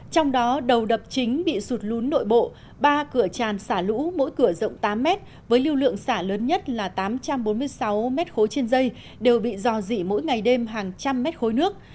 trong đó đầu đập chính bị sụt lún nội bộ ba cửa tràn xả lũ mỗi cửa rộng tám mét với lưu lượng xả lớn nhất là tám trăm bốn mươi sáu m ba trên dây đều bị dò dỉ mỗi ngày đêm hàng trăm mét khối nước